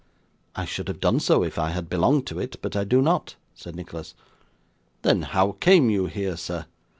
'I should have done so, if I had belonged to it, but I do not,' said Nicholas. 'Then how came you here, sir?